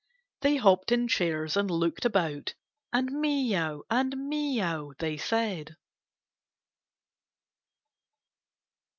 They hopped in chairs and loolied about, And 'mee ow' and 'mee ow,' they said.